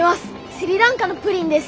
スリランカのプリンです。